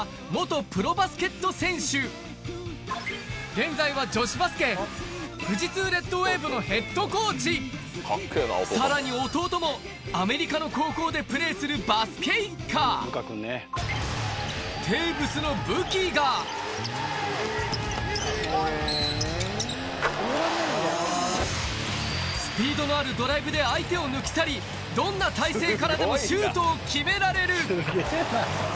現在は女子バスケ富士通レッドウェーブのヘッドコーチさらに弟もアメリカの高校でプレーするテーブスのスピードのあるドライブで相手を抜き去りどんな体勢からでもシュートを決められるすげぇな。